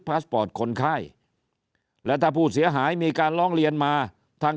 พาสปอร์ตคนไข้และถ้าผู้เสียหายมีการร้องเรียนมาทาง